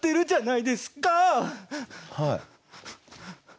はい。